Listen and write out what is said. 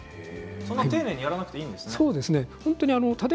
そんなに丁寧にやらなくていいんですね。